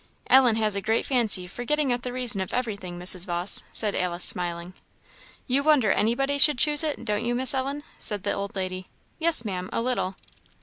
"Ellen has a great fancy for getting at the reason of everything, Mrs. Vawse," said Alice, smiling. "You wonder anybody should choose it, don't you, Miss Ellen?" said the old lady. "Yes, Maam, a little."